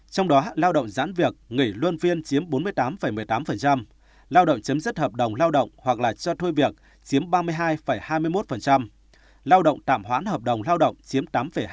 trong đó lao động giãn việc nghỉ luân phiên chiếm bốn mươi tám một mươi tám lao động chấm dứt hợp đồng lao động hoặc là cho thôi việc chiếm ba mươi hai hai mươi một lao động tạm hoãn hợp đồng lao động chiếm tám hai